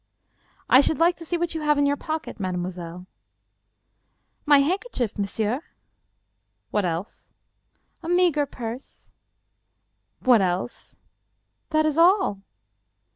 " I should like to see what you have in your pocket, mademoiselle." " My handkerchief, monsieur." "What else?" "A meager purse." "What else?" " That is all."